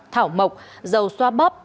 thảo mộc dầu xoa bóp